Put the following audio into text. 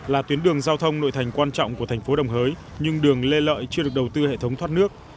là tuyến đường giao thông nội thành quan trọng của thành phố đồng hới nhưng đường lê lợi chưa được đầu tư hệ thống thoát nước